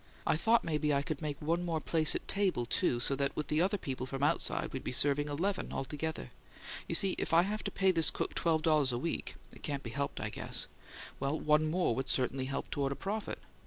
I thought maybe I could make one more place at table, too, so that with the other people from outside we'd be serving eleven altogether. You see if I have to pay this cook twelve dollars a week it can't be helped, I guess well, one more would certainly help toward a profit.